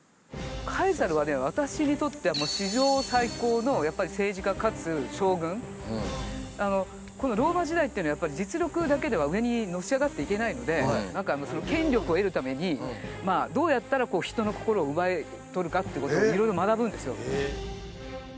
私にとってはこのローマ時代っていうのはやっぱり実力だけでは上にのし上がっていけないので何かその権力を得るためにまあどうやったら人の心を奪い取るかっていうことをいろいろ学ぶんですよ。